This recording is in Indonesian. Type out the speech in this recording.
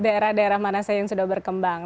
daerah daerah mana saja yang sudah berkembang